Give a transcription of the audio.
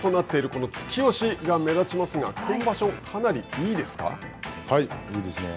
この突き押しが目立ちますが今場所、かなりいいですか？